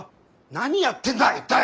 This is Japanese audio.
何やってんだ一体！